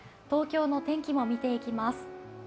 東京の天気を見ていきます。